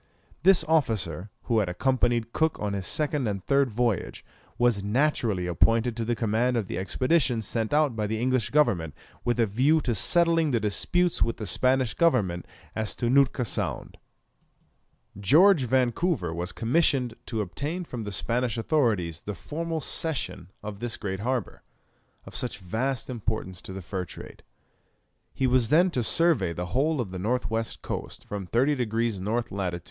This officer, who had accompanied Cook on his second and third voyage, was naturally appointed to the command of the expedition sent out by the English government with a view to settling the disputes with the Spanish government as to Nootka Sound. George Vancouver was commissioned to obtain from the Spanish authorities the formal cession of this great harbour, of such vast importance to the fur trade. He was then to survey the whole of the north west coast, from 30 degrees N. lat.